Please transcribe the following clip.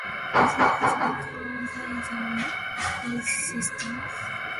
Ecology thus became the science of ecosystems.